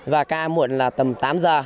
và ca muộn là tầm tám h